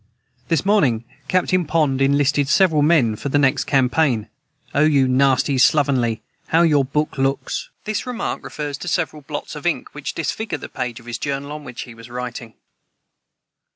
This morning Captain Pond inlisted several men for the next campaign; o you nasty Sloven how your Book Looks. [Footnote 184: This remark refers to several blots of ink which disfigure the page of his Journal on which he was writing.